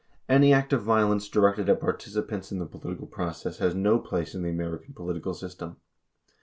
26 Any act of vio lence directed at participants in the political process has no place in the American political system.